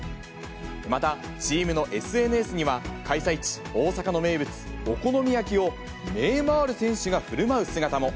また、チームのＳＮＳには、開催地、大阪の名物、お好み焼きをネイマール選手がふるまう姿も。